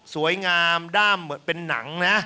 สวยงามด้ามเหมือนเป็นหนังนะ